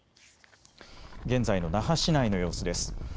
現在の那覇市内の様子です。